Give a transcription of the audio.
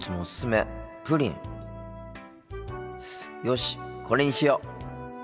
よしこれにしよう。